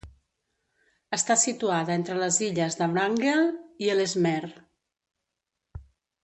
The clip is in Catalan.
Està situada entre les illes de Wrangel i Ellesmere.